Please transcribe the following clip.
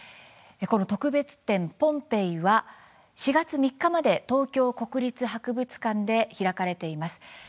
特別展ポンペイは４月３日まで東京国立博物館で開かれています。